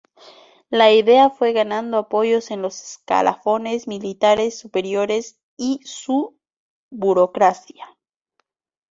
La idea fue ganando apoyos en los escalafones militares superiores y su burocracia.